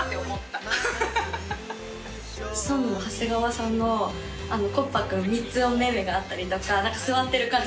シソンヌの長谷川さんのＫＯＰＰＡｋｕｎ３つおめめがあったりとか座ってる感じ